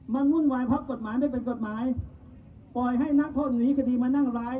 มันวุ่นวายเพราะกฎหมายไม่เป็นกฎหมายปล่อยให้นักโทษหนีคดีมานั่งร้าย